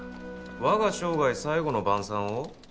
「我が生涯最後の晩餐」を？